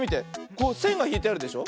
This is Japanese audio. こうせんがひいてあるでしょ。